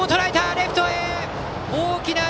レフトへ！